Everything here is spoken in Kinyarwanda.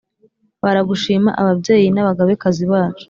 Baragushima ababyeyi n'abagabe-kazi bacu